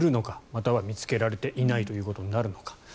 または見つけられていないということになるのか。